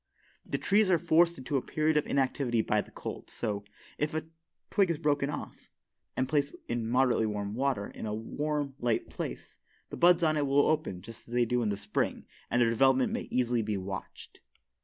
The trees are forced into a period of inactivity by the cold, so, if a twig is broken off, and placed in moderately warm water, in a warm, light place, the buds on it will open just as they do in the spring and their development may be easily watched.